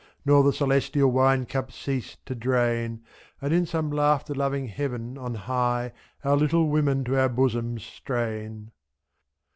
Nor the celestial wine cup cease to drain, .3^2, And in some laughter loving heaven on high Our little women to our bosoms strain.